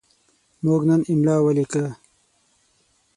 موږ نن املا ولیکه.